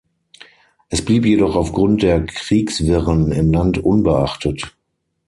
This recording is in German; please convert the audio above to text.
Es blieb jedoch aufgrund der Kriegswirren im Land unbeachtet.